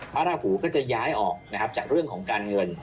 ราหูก็จะย้ายออกนะครับจากเรื่องของการเงิน